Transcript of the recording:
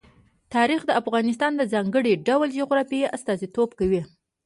تاریخ د افغانستان د ځانګړي ډول جغرافیه استازیتوب کوي.